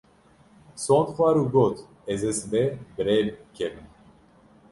Sond xwar û got ez ê sibê bi rê kevim.